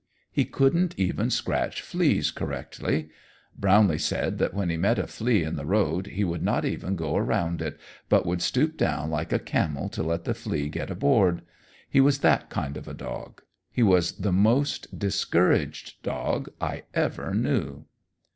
He couldn't even scratch fleas correctly. Brownlee said that when he met a flea in the road he would not even go around it, but would stoop down like a camel to let the flea get aboard. He was that kind of a dog. He was the most discouraged dog I ever knew.